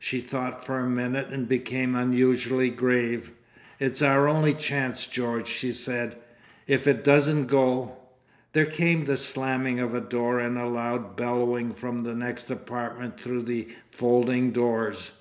She thought for a minute and became unusually grave. "It's our only chance, George," she said. "If it doesn't go..." There came the slamming of a door, and a loud bellowing from the next apartment through the folding doors.